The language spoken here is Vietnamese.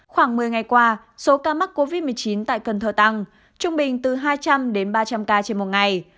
khoảng một mươi ngày qua số ca mắc covid một mươi chín tại cần thơ tăng trung bình từ hai trăm linh đến ba trăm linh ca trên một ngày